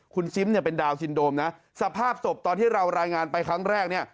คุณซิมเนี่ยเป็นดาวนซินโดมนะสภาพศพตอนที่เรารายงานไปครั้งแรกเนี่ย